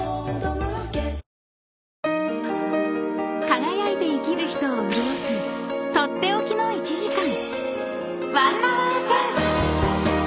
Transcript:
［輝いて生きる人を潤す取って置きの１時間］